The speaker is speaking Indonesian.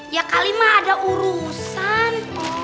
ya kali mak ada urusan